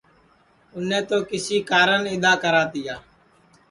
اُنے تو کسی کارن اِدؔا کرا تیا